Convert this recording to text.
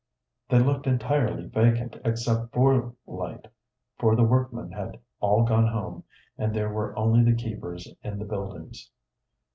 They looked entirely vacant except for light, for the workmen had all gone home, and there were only the keepers in the buildings.